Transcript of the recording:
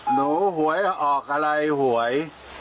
หวยออกอะไรหวย